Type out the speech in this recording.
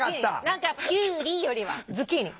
何かキュウリよりはズッキーニ。